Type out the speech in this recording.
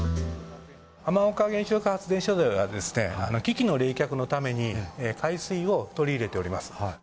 浜岡原子力発電所ではですね、機器の冷却のために、海水を取り入れております。